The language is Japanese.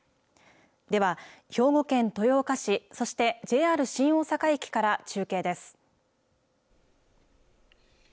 では、兵庫県豊岡市、そしてＪＲ新大阪駅から中継です。